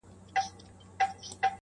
او هلته مې اقتصادي بد حالت